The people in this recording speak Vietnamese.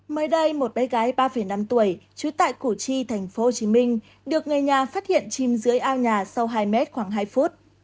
mới đây một bé gái ba năm tuổi trú tại củ chi tp hcm được người nhà phát hiện chìm dưới ao nhà sau hai mét khoảng hai phút